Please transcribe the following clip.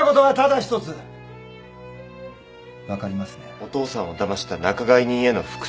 お父さんをだました仲買人への復讐。